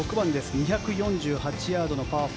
２４８ヤードのパー４。